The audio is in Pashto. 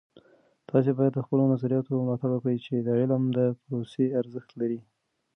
تاسې باید د خپلو نظریاتو ملاتړ وکړئ چې د علم د پروسې ارزښت لري.